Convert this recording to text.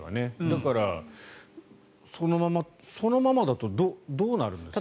だから、そのままそのままだとどうなるんです？